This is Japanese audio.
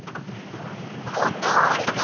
こんな終わりか！